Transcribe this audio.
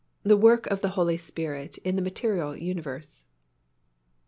THE WORK OF THE HOLY SPIRIT IN THE MATERIAL UNIVERSE.